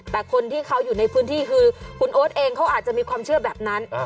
แต่คนที่เขาอยู่ในพื้นที่คือคุณโอ๊ตเองเขาอาจจะมีความเชื่อแบบนั้น